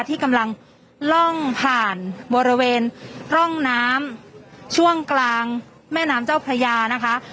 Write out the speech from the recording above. ที่กำลังล่องผ่านบริเวณร่องน้ำช่วงกลางแม่น้ำเจ้าพระยานะคะ